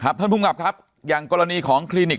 ครับท่านผู้กรรมกรรมครับอย่างกรณีของคลินิก